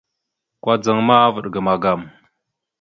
Kudzaŋ ma, vaɗ ga magam.